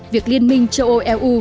việc liên minh châu âu eu